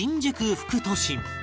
副都心